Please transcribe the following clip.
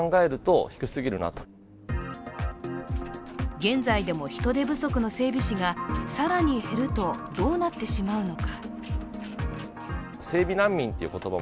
現在でも人手不足の整備士が更に減るとどうなってしまうのか。